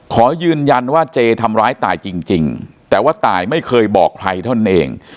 ขอยืนยันว่าเจทำร้ายตายจริงแต่ว่าตายไม่เคยบอกใครเท่านั้นเอง